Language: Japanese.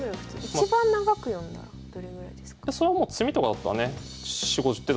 一番長く読んだらどれぐらいですか？